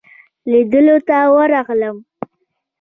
لیدلو ته ورغلم.